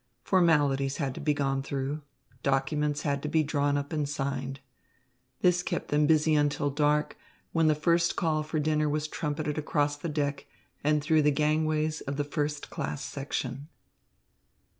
Formalities had to be gone through, documents had to be drawn up and signed. This kept them busy until dark, when the first call for dinner was trumpeted across the deck and through the gangways of the first class section.